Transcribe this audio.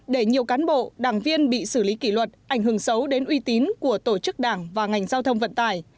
để nhiều cán bộ đảng viên bị xử lý kỷ luật ảnh hưởng xấu đến uy tín của tổ chức đảng và ngành giao thông vận tải